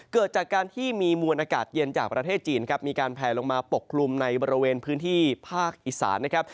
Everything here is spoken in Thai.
เกิดจากการที่มีมวลอากาศเย็นจากประเทศจีนครับมีการแผลลงมาปกคลุมในบริเวณพื้นที่ภาคอีสานนะครับ